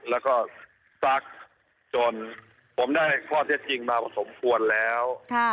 แล้วก็ซักจนผมได้ข้อเท็จจริงมาพอสมควรแล้ว